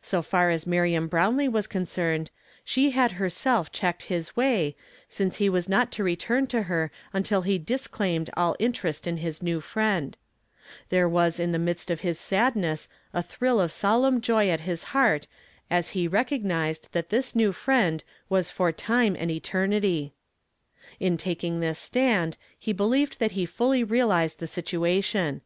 So far as Miriam Brownlee was concerned, she had hei self checked his way, since he was not to return to her until he disclaimed all interest in his new iriend. 'Jliere was in the midst of his sadness a tlirill of solemn joy at his heart as he recognized that this mw friend was for time and ' <Z :^:^^ 3e he was not "SHALL THE DEAD ARISE?" 293 eternity. In taking this stand, lie believed that he fully realized the situation.